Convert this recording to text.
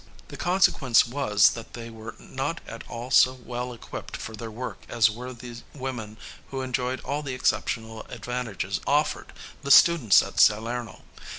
The consequence was that they were not at all so well equipped for their work as were the women who enjoyed all the exceptional advantages offered the students at Salerno.